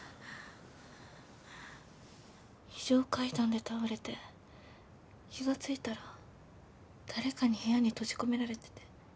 非常階段で倒れて気が付いたら誰かに部屋に閉じ込められてて。